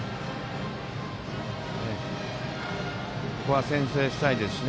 ここは先制したいですし。